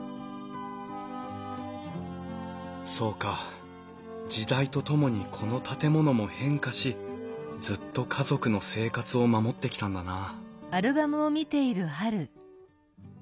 そうか時代とともにこの建物も変化しずっと家族の生活を守ってきたんだな